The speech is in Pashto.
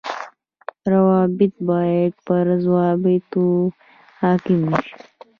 روابط باید پر ضوابطو حاڪم نشي